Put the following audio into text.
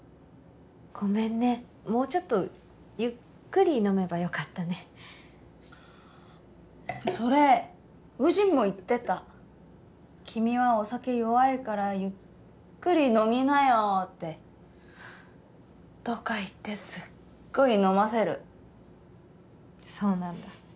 ごめんねもうちょっとゆっくり飲めばよかったねそれ祐鎮も言ってた君はお酒弱いからゆっくり飲みなよってとかいってすっごい飲ませるそうなんだ